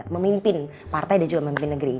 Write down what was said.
memimpin partai dan juga memimpin negeri